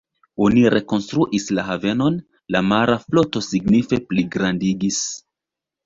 Oni rekonstruis la havenon, la mara floto signife pligrandigis.